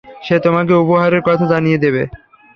সে তোমাকে উপহারের কথা জানিয়ে দেবে।